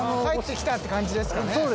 帰ってきたって感じですかね。